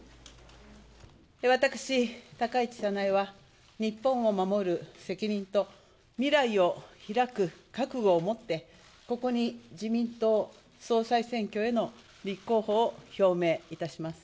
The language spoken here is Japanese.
私、高市早苗は、日本を守る責任と未来を開く覚悟を持って、ここに自民党総裁選挙への立候補を表明いたします。